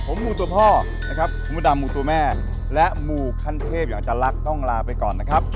ผมมูตัวพ่อนะครับคุณมดดำมูตัวแม่และมูขั้นเทพอยากจะรักต้องลาไปก่อนนะครับ